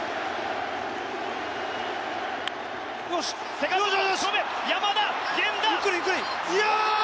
セカンド正面、山田源田！